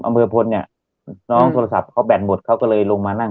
อำเภอพลเนี่ยน้องโทรศัพท์เขาแบนหมดเขาก็เลยลงมานั่ง